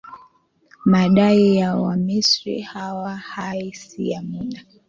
madai ya wamisri haya hai si ya muda